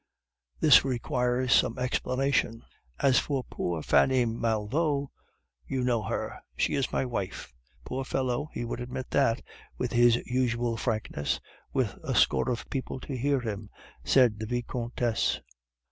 This requires some explanation. As for poor Fanny Malvaut, you know her; she is my wife." "Poor fellow, he would admit that, with his usual frankness, with a score of people to hear him!" said the Vicomtesse.